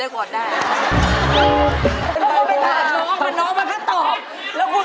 ไอ้เลี้ยงนกเนี้ยไม่ได้อังเกตนะ